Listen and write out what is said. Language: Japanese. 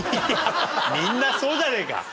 みんなそうじゃねえか！